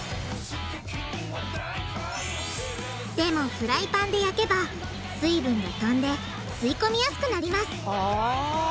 でもフライパンで焼けば水分が飛んで吸い込みやすくなりますはぁ。